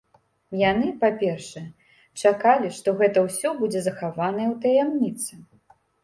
Яны, па-першае, чакалі, што гэта ўсё будзе захаванае ў таямніцы.